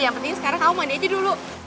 yang penting sekarang kamu mandi aja dulu